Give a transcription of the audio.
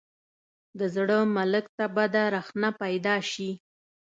د زړه ملک ته بده رخنه پیدا شي.